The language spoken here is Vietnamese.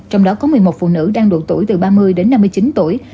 trong đó có một mươi một phụ nữ đang độ tuổi từ ba mươi đến năm mươi chín tuổi